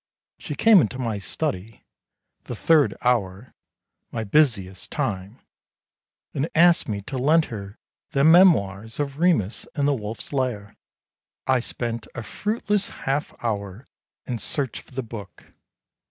She came into my study, the third hour my busiest time, and asked me to lend her the memoirs of Remus in the Wolf's Lair. I spent a fruitless half hour in search of the book.